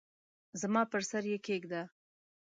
زما پر سر یې کښېږده !